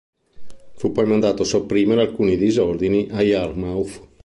Fu poi mandato a sopprimere alcuni disordini a Yarmouth.